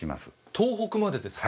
東北までですか？